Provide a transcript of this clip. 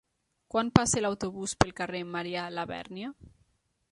Quan passa l'autobús pel carrer Marià Labèrnia?